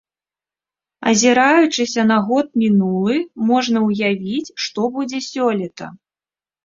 Азіраючыся на год мінулы, можна ўявіць, што будзе сёлета.